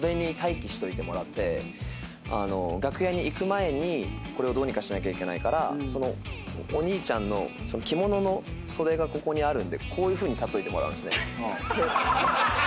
楽屋に行く前にこれをどうにかしなきゃいけないからお兄ちゃんの着物の袖がここにあるんでこういうふうに立っといてもらうんすね。